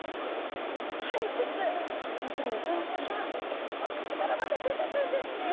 はいせつ要するにうんちはお口からまた出てくるんですね。